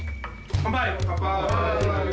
乾杯！